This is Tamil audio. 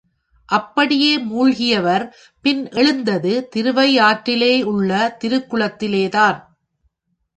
அப்படியே முழுகியவர் பின் எழுந்தது திருவையாற்றிலுள்ள திருக்குளத்திலேதான்.